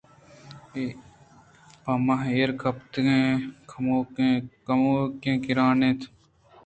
پہ من ایر کپگ کموکیں گرٛان اِنت